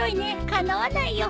かなわないよ。